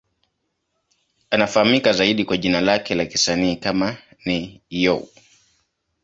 Anafahamika zaidi kwa jina lake la kisanii kama Ne-Yo.